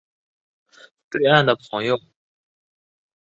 对岸的朋友